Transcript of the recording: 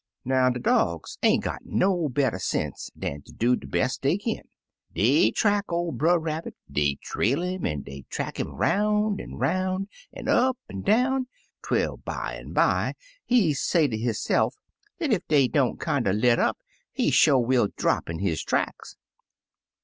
"Now, de dogs ain't got no better sense dan ter do de best dey kin. Dey track ol' Brer Rabbit, dey trail 'im an' dey track 'im 'roun' an' 'roun' an' up an' down, twel bimeby he say ter hisse'f dat ef dey don't kinder let up he sho' will drap in his tracks.